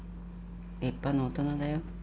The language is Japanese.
立派な大人だよ。